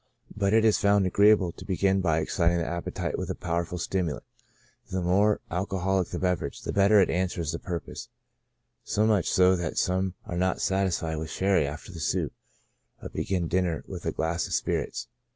But it is found agreeable to begin by exciting the appetite with a powerful stimulant, and the more alcoholic the beverage, the better it answers the purpose, so much so that some are not satisfied with Sherry after the soup, but begin dinner with a glass of spirits.